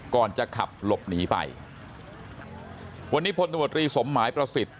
ก่อนจะขับหลบหนีไปวันนี้พลตมตรีสมหมายประสิทธิ์